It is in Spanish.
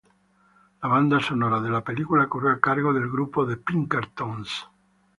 La banda sonora de la película corrió a cargo del grupo The Pinker Tones.